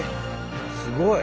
すごい！